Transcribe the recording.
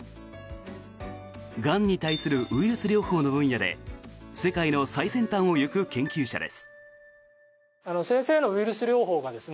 がんに対するウイルス療法の分野で世界の最先端を行く研究者です。